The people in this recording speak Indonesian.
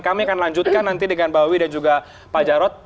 kami akan lanjutkan nanti dengan mbak wiwi dan juga pak jarod